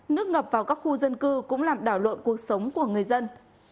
nước ngập vào các khu dân cư cũng làm đảo lộn cuộc sống của người dân